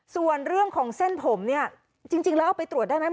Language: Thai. ส่วนเรื่องของเส้นผมเนี่ยจริงแล้วเอาไปตรวจได้ไหม